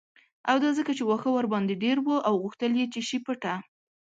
او دا ځکه چې واښه ورباندې ډیر و او غوښتل یې چې شي پټه